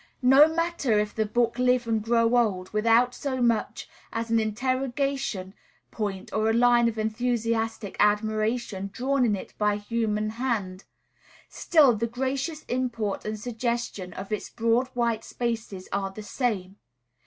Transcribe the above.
No matter if the book live and grow old, without so much as an interrogation point or a line of enthusiastic admiration drawn in it by human hand, still the gracious import and suggestion of its broad white spaces are the same.